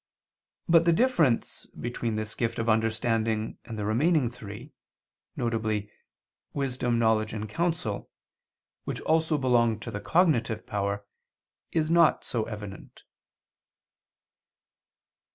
But the difference between this gift of understanding and the remaining three, viz. wisdom, knowledge, and counsel, which also belong to the cognitive power, is not so evident.